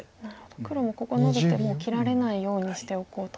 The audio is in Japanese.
黒もここはノビてもう切られないようにしておこうと。